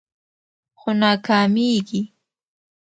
خو ناکامیږي